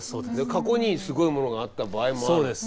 過去にすごいものがあった場合もある。